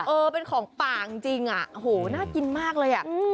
อ่าเป็นส่วนของปล่าวจริงน่ากินมากเลย